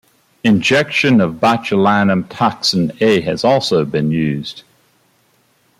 Injection of botulinum toxin A has also been used.